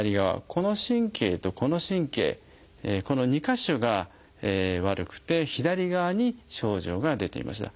この神経とこの神経この２か所が悪くて左側に症状が出ていました。